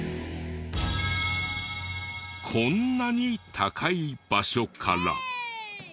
こんなに高い場所から。